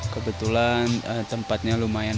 kebetulan tempatnya lumayan